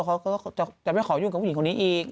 เขาก็จะไม่ขอยุ่งกับผู้หญิงคนนี้อีก